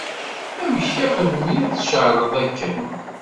Amek armi tceεleḍ akken?